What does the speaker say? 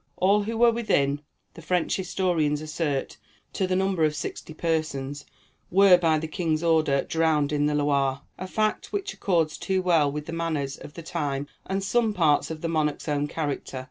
All who were within, the French historians assert, to the number of sixty persons, were, by the king's order, drowned in the Loire, a fact which accords too well with the manners of the time and some parts of the monarch's own character.